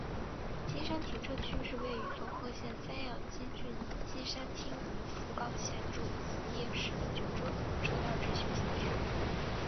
基山停车区是位于佐贺县三养基郡基山町与福冈县筑紫野市的九州自动车道之休息区。